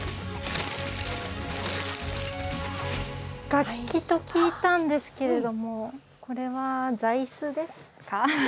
楽器と聞いたんですけれどもこれは座椅子ですか？